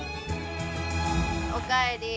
おかえり。